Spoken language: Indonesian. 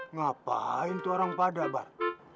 ngapain tuh orang pada bar